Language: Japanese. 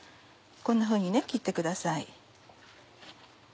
こんなふうに切ってください。